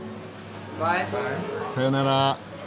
さよなら。